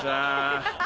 ハハハ。